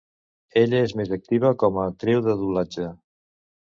Ella és més activa com a actriu de doblatge.